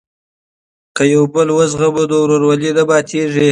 که یو بل وزغمو نو ورورولي نه ماتیږي.